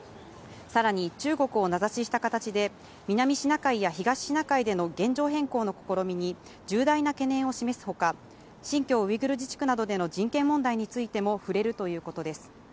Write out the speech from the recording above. さらに、中国を名指しした形で、南シナ海や東シナ海での現状変更の試みに重大な懸念を示すほか、新疆ウイグル自治区などでの人権問題についても触れるということです。